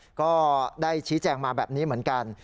นั่นเป็น๑คำถามที่เราตอบให้คุณผู้ชมแล้วนะครับ